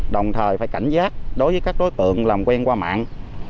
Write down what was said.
đồng thời phải cảnh giác đối với các đối tượng làm quen qua mạng